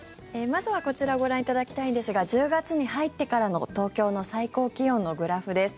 まずはこちらご覧いただきたいんですが１０月に入ってからの東京の最高気温のグラフです。